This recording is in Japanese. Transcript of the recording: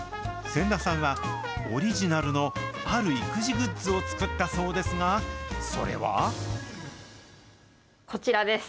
仙田さんは、オリジナルのある育児グッズを作ったそうですが、それは？こちらです。